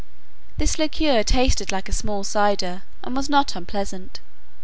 This liquor tasted like a small cider, and was not unpleasant.